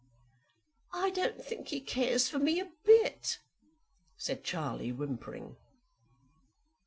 "I don't think he cares for me a bit," said Charlie whimpering.